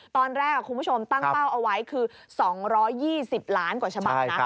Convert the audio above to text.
ตอนแรกคุณผู้ชมตั้งเป้าเอาไว้คือ๒๒๐ล้านกว่าฉบับนะ